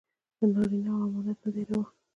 د نارينو امامت نه دى روا.